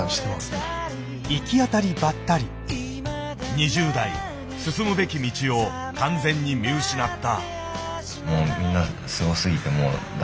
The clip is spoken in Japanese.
２０代進むべき道を完全に見失った。